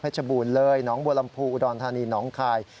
บูรณ์เลยหนองบัวลำพูอุดรธานีน้องคาย